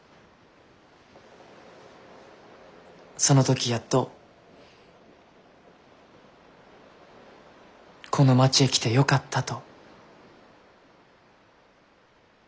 その時やっとこの町へ来てよかったと。